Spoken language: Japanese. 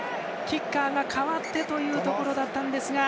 キッカーが代わってというところだったんですが。